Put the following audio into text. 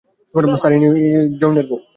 Sir, ইনি মনোহার যৈনের বৌ।